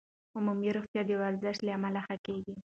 عمومي روغتیا د ورزش له امله ښه کېږي.